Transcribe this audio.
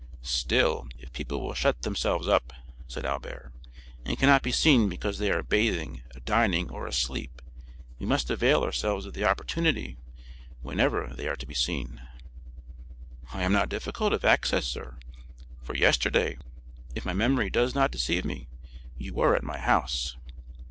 "Still, if people will shut themselves up," said Albert, "and cannot be seen because they are bathing, dining, or asleep, we must avail ourselves of the opportunity whenever they are to be seen." "I am not difficult of access, sir; for yesterday, if my memory does not deceive me, you were at my house."